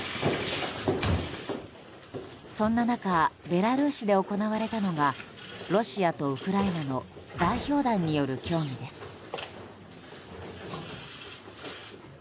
そんな中ベラルーシで行われたのがロシアとウクライナの代表団による協議です。